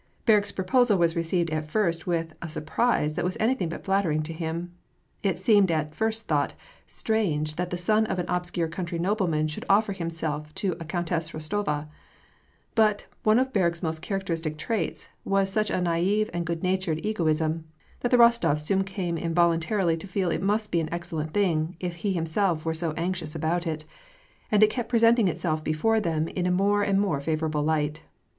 Berg's proposal was received at first with a surprise that was anything but flattering to him. It seemed at first thought strange that the son of an obscure country nobleman should offer himself to a Countess Bostova ! But one of Berg's most characteristic traits was such a natve and good natured ego tism, that the Rostofs soon came involuntarily to feel that it must be an excellent thing, if he himself were so anxious about it ; and it kept presenting itself before them in a more and more favorable light.